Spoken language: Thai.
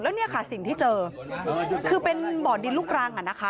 แล้วเนี่ยค่ะสิ่งที่เจอคือเป็นบ่อดินลูกรังอ่ะนะคะ